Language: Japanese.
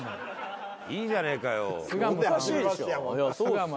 いいじゃねえかよ。